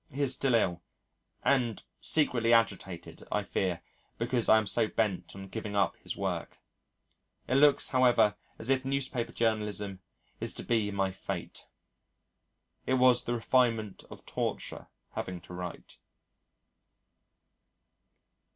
He is still ill, and secretly agitated, I fear, because I am so bent on giving up his work. It looks, however, as if newspaper journalism is to be my fate. It was the refinement of torture having to write.